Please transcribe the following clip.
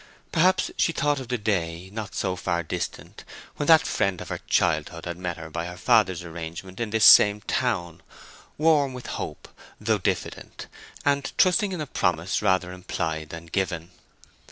Perhaps she thought of the day—not so far distant—when that friend of her childhood had met her by her father's arrangement in this same town, warm with hope, though diffident, and trusting in a promise rather implied than given.